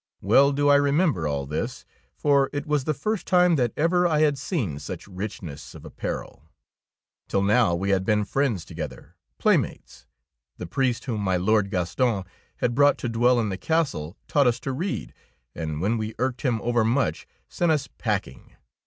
Well do I remember all this, for it was the first time that ever I had seen such richness of apparel. Till now we had been friends to gether, playmates. The priest whom my Lord Gaston had brought to dwell in the castle taught us to read, and when we irked him overmuch sent us packing.